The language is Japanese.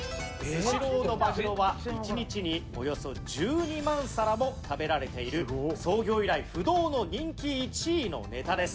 スシローのまぐろは一日におよそ１２万皿も食べられている創業以来不動の人気１位のネタです。